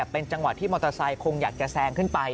เป็นจังหวะที่มอเตอร์ไซค์คงอยากจะแซงขึ้นไป